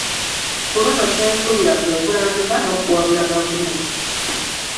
Ku luno kye nsuubira kwe kulambika n’okuwabula Gavumenti